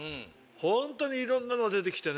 ホントにいろんなのが出て来てね。